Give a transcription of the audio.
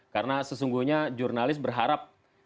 karena sesungguhnya jurnalis berharap